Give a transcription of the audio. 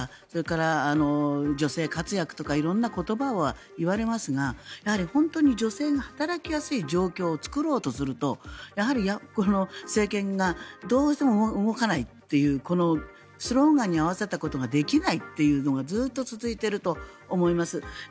それから女性活躍とか色んな言葉は言われますがやはり本当に女性が働きやすい状況を作ろうとするとやはり政権がどうしても動かないというこのスローガンに合わせたことができないというのがずっと続いていると思います。